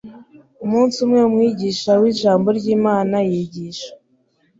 umnsi umwe umwigisha w’ijambo ry’Imana yigisha